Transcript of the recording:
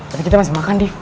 tapi kita masih makan nih